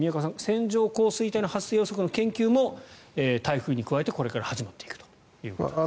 線状降水帯の発生予測の研究も台風に加えて、これから始まっていくということですね。